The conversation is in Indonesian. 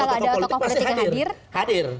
tapi kalau ada tokoh tokoh politik yang hadir